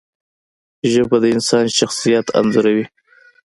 ژبه د انسان شخصیت انځوروي